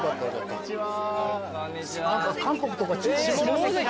あこんにちは。